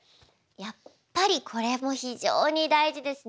やっぱりこれも非常に大事ですね。